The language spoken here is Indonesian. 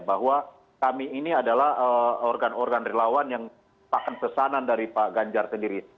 bahwa kami ini adalah organ organ relawan yang pakan pesanan dari pak ganjar sendiri